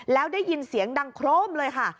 แล้วได้ยินเสียงดังโครมเลยค่ะ